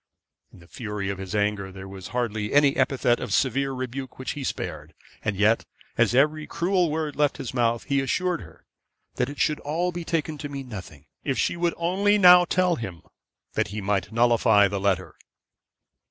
In the fury of his anger, there was hardly any epithet of severe rebuke which he spared, and yet, as every cruel word left his mouth, he assured her that it should all be taken to mean nothing, if she would only now tell him that he might nullify the letter.